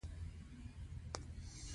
دوه بېلابېل قطبونه یو بل جذبه کوي.